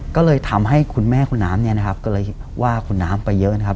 ก็เลยทำให้คุณแม่คุณน้ำเนี่ยนะครับก็เลยว่าคุณน้ำไปเยอะนะครับ